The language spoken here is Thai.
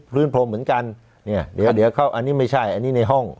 พรมเหมือนกันเนี่ยเดี๋ยวเข้าอันนี้ไม่ใช่อันนี้ในห้อง